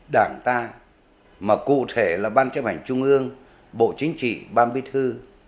đảng ta mà cụ thể là ban chấp hành trung ương bộ chính trị ban bí thư